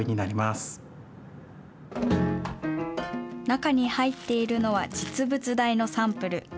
中に入っているのは、実物大のサンプル。